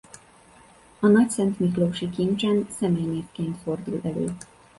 A nagyszentmiklósi kincsen személynévként fordul elő.